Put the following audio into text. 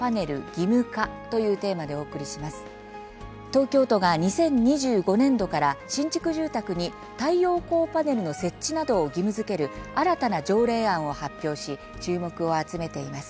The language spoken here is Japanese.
東京都が、２０２５年度から新築住宅に太陽光パネルの設置などを義務づける新たな条例案を発表し注目を集めています。